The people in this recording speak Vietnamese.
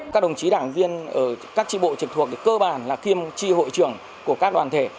các đồng chí đảng viên ở các tri bộ trực thuộc cơ bản là kiêm tri hội trưởng của các đoàn thể